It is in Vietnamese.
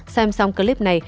xem xong clip này